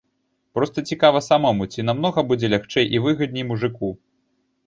Проста цікава самому, ці намнога будзе лягчэй і выгадней мужыку.